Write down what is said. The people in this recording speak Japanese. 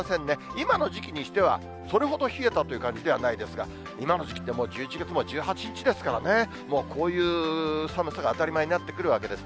今の時期にしては、それほど冷えたという感じではないんですが、今の時期ってもう１１月も１８日ですからね、もうこういう寒さが当たり前になってくるわけです。